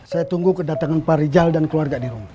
saya tunggu kedatangan pak rijal dan keluarga di rumah